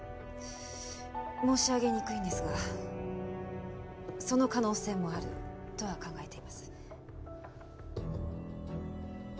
申し上げにくいんですがその可能性もあるとは考えています。